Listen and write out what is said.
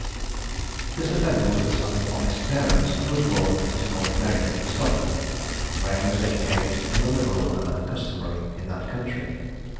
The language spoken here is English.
This offender was the son of honest parents, and was born at North Berwick, in Scotland, where he was educated in the liberal manner customary in that country.